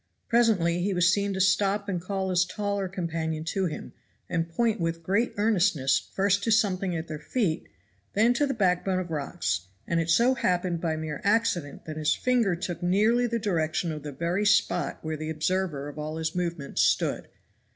Presently he was seen to stop and call his taller companion to him, and point with great earnestness first to something at their feet, then to the backbone of rocks; and it so happened by mere accident that his finger took nearly the direction of the very spot where the observer of all his movements stood.